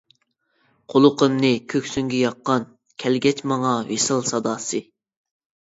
قۇلىقىمنى كۆكسۈڭگە ياققان، كەلگەچ ماڭا ۋىسال ساداسى.